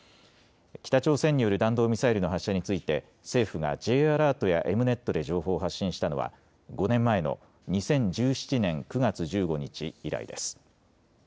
北朝鮮による弾道ミサイルの発射について政府がＪアラートやエムネットで情報を発信したのは５年前の２０１７年９月１５日以来です。